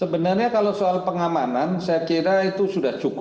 sebenarnya kalau soal pengamanan saya kira itu sudah cukup